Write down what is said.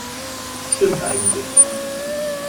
Stimmt eigentlich.